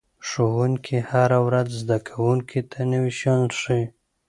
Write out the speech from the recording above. ښوونکي هره ورځ زده کوونکو ته نوي شیان ښيي.